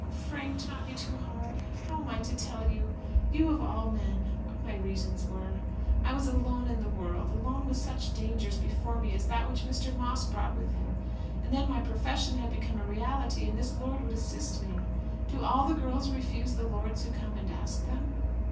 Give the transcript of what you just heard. "Oh, Frank! do not be too hard. How am I to tell you you, of all men, what my reasons were? I was alone in the world; alone with such dangers before me as that which Mr. Moss brought with him. And then my profession had become a reality, and this lord would assist me. Do all the girls refuse the lords who come and ask them?"